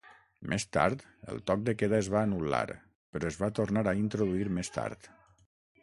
Més tard el toc de queda es va anul·lar, però es va tornar a introduir més tard.